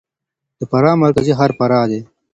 د فراه مرکزي ښار فراه دی.